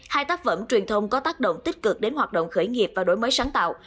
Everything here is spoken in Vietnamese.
hai tác phẩm truyền thông có tác động tích cực đến hoạt động khởi nghiệp và đổi mới sáng tạo